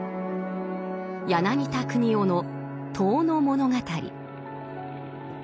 柳田国男の「遠野物語」。